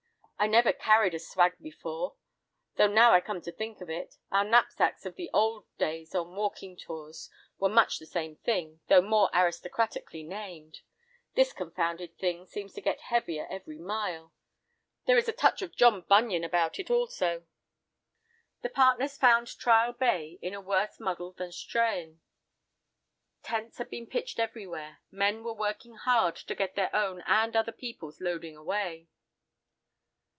"I never carried a swag before, though now I come to think of it, our knapsacks of the old days on walking tours were much the same thing, though more aristocratically named. This confounded thing seems to get heavier every mile. There is a touch of John Bunyan about it also." The partners found Trial Bay in a worse muddle than Strahan. Tents had been pitched everywhere; men were working hard to get their own and other peoples' loading away.